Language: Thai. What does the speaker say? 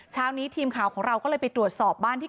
เช้านี้ทีมข่าวของเราก็เลยไปตรวจสอบบ้านที่